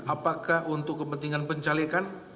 apakah untuk kepentingan pencalekan